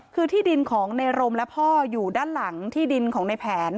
คือที่ดินของในรมและพ่ออยู่ด้านหลังที่ดินของในแผน